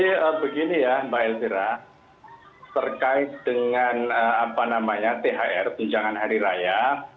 jadi begini ya mbak elvira terkait dengan apa namanya thr tujangan hari raya